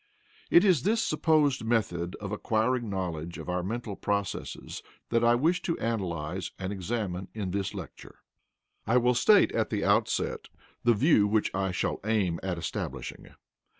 It is this supposed method of acquiring knowledge of our mental processes that I wish to analyse and examine in this lecture. I will state at the outset the view which I shall aim at establishing.